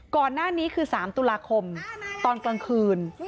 ก่อนหน้านี้คือ๓ตุลาคมตอนกลางคืน